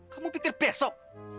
kamu pikir besok